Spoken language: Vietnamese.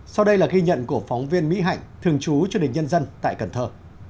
sau đây là ghi nhận của phóng viên mỹ hạnh thường chú cho đình nhân dân tại cần thơ